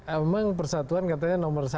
emang persatuan katanya nomor satu